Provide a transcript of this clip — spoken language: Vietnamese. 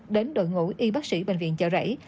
đến đội ngũ y bác sĩ bệnh viện chợ rẫy